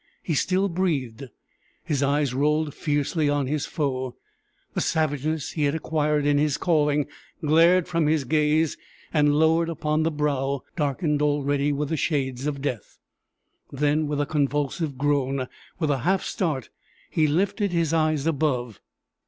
He still breathed; his eyes rolled fiercely on his foe; the savageness he had acquired in his calling glared from his gaze and lowered upon the brow, darkened already with the shades of death; then with a convulsive groan, with a half start, he lifted his eyes above.